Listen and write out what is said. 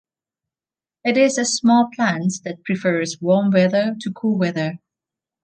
It is a small plant that prefers warm weather to cool weather.